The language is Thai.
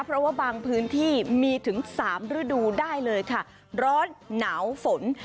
เพราะว่าบางพื้นที่มีถึง๓ฤดูได้เลยค่ะร้อนหนาวฝน